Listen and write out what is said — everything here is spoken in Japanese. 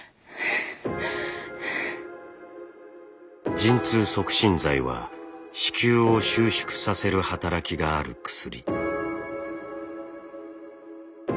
陣痛促進剤は子宮を収縮させる働きがある薬。